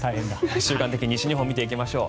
週間天気、西日本見ていきましょう。